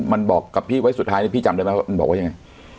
มันบอกกับพี่ไว้สุดท้ายนี่พี่จำได้ไหมมันบอกว่าอย่างเงี้ย